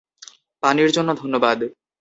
পানির জন্য ধন্যবাদ।